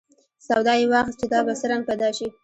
سودا یې واخیست چې دا به څه رنګ پیدا شي.